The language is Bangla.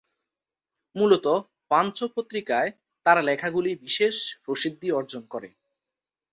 মূলত "পাঞ্চ" পত্রিকায় তার লেখাগুলি বিশেষ প্রসিদ্ধি অর্জন করে।